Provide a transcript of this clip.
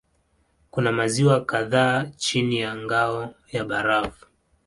Kuna maziwa kadhaa chini ya ngao ya barafu.